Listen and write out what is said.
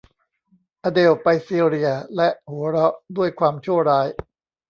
อเดลล์ไปซีเรียและหัวเราะด้วยความชั่วร้าย